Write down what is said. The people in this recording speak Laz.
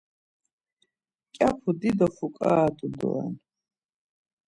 Mǩyapu dido fuǩara t̆u doren.